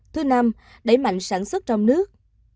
thứ năm đẩy mạnh sản xuất trong nước